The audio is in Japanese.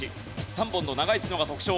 ３本の長い角が特徴。